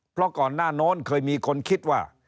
เพราะก่อนหน้าโน้นเคยมีคนคิดว่า